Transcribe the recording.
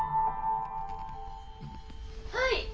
はい！